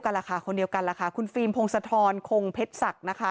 ก็คนนี้กันละค่ะคุณฟิล์มพงศธรคงเพชรศักดิ์นะคะ